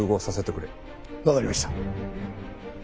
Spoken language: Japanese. わかりました。